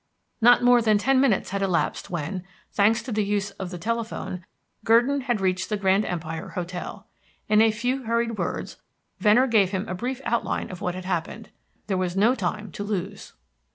Not more than ten minutes had elapsed when, thanks to the use of the telephone, Gurdon had reached the Grand Empire Hotel. In a few hurried words, Venner gave him a brief outline of what had happened. There was no time to lose.